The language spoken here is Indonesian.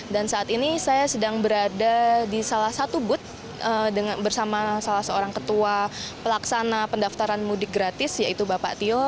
dan saat ini saya sedang berada di salah satu booth bersama salah seorang ketua pelaksana pendaftaran mudik gratis yaitu bapak tio